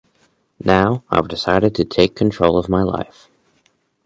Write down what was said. Now, I've decided to take control of my life.